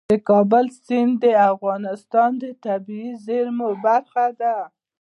د کابل سیند د افغانستان د طبیعي زیرمو برخه ده.